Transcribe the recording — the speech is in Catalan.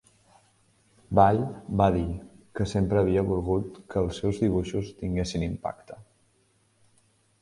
Ball va dir que sempre havia volgut que els seus dibuixos tinguessin impacte.